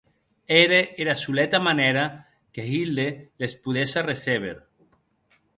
Ère era soleta manèra que Hilde les podesse recéber.